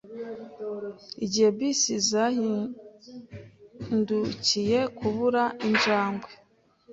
Igihe bisi yazindukiye kubura injangwe